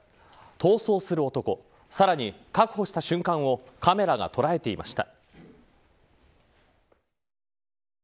逃走する男をさらに確保した瞬間をカメラが捉えていました。